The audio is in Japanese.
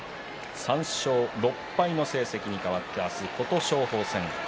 ３勝６敗の成績にかわって明日は琴勝峰戦です。